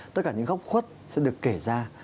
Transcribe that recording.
tất cả những góc khuất sẽ được kể ra